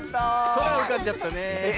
そらうかんじゃったねえ。